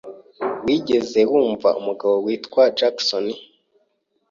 Wigeze wumva umugabo witwa Jackson?